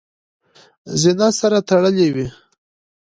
زینه سره تړلې وي .